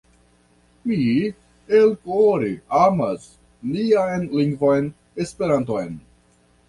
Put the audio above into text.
Mi elkore amas nian lingvon Esperanton.